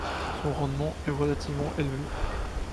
Son rendement est relativement élevé.